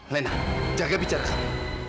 lena jaga bicara kamu